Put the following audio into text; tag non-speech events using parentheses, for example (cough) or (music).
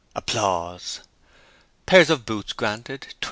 (applause) Pairs of boots granted, 29.